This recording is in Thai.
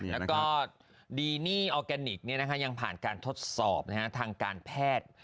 แล้วก็ดีนี่ออร์แกนิคเนี่ยนะฮะยังผ่านการทดสอบนะฮะทางการแพทย์